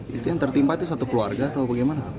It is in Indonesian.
itu yang tertimpa itu satu keluarga atau bagaimana